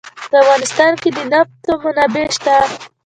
په افغانستان کې د نفت منابع شته.